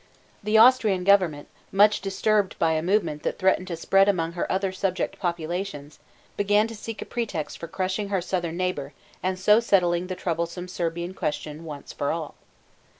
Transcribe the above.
The Austrian government, much disturbed by a movement that threatened to spread among her other subject populations, began to seek a pretext for crushing her southern neighbor and so settling the troublesome Serbian question once for all.